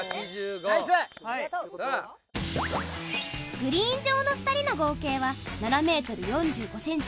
グリーン上の２人の合計は７ｍ４５ｃｍ。